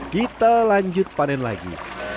kita lanjut panen lagi